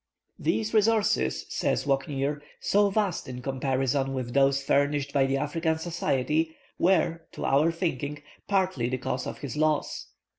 "These resources," says Walcknaer, "so vast in comparison with those furnished by the African Society, were, to our thinking, partly the cause of his loss.